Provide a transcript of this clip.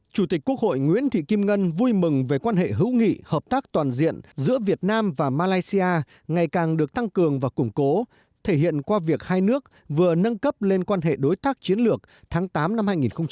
chủ tịch quốc hội nguyễn thị kim ngân vui mừng về quan hệ hữu nghị hợp tác toàn diện giữa việt nam và malaysia ngày càng được tăng cường và củng cố thể hiện qua việc hai nước vừa nâng cấp lên quan hệ đối tác chiến lược tháng tám năm hai nghìn một mươi ba